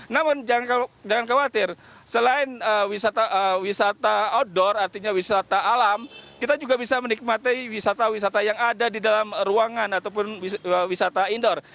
namun jangan khawatir selain wisata outdoor artinya wisata alam kita juga bisa menikmati wisata wisata yang ada di dalam ruangan ataupun wisata indoor